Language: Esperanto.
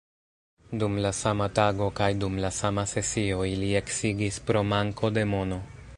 Dum la sama tago kaj dum la sama sesio, ili eksigis"—pro manko de mono!